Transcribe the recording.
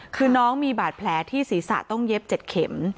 คือน้องมีบาดแผลที่ศีรษะต้องเย็บ๗เข็ม